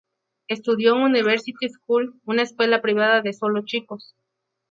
Estudió en "University School", una escuela privada de solo chicos.